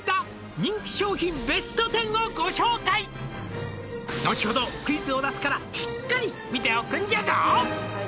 「人気商品ＢＥＳＴ１０をご紹介」「後ほどクイズを出すからしっかり見ておくんじゃぞ！」